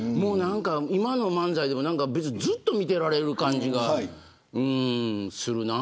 今の漫才とかもずっと見てられる感じがするな。